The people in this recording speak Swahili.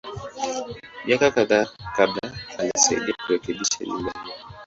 Miaka kadhaa kabla, alisaidia kurekebisha nyumba hiyo.